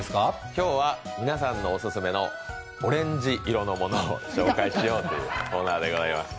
今日は皆さんのオススメのオレンジ色のものを紹介しようというコーナーでございます。